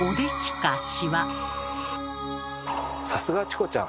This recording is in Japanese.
さすがチコちゃん！